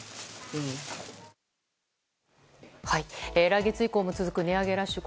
来月以降も続く値上げラッシュ